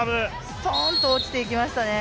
ストーンと落ちていきましたね。